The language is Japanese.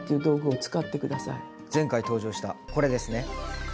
前回登場したこれですね。